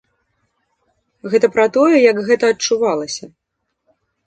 Гэта пра тое, як гэта адчувалася.